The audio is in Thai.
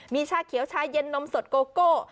มีชาเขียวชาเย็นนมสดโกโก้